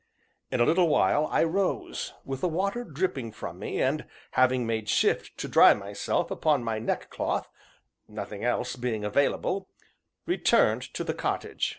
In a little while I rose, with the water dripping from me, and having made shift to dry myself upon my neckcloth, nothing else being available, returned to the cottage.